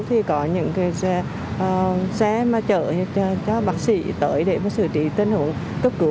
thì có những xe mà chở cho bác sĩ tới để xử trí tên hữu cấp cứu